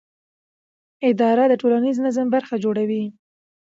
اداره د ټولنیز نظم برخه جوړوي.